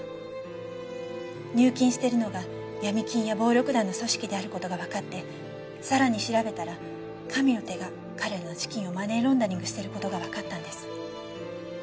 入金してるのがヤミ金や暴力団の組織であることがわかってさらに調べたら神の手が彼らの資金をマネーロンダリングしてることがわかったんです。